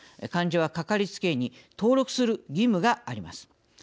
患者は、かかりつけ医に登録する義務があります。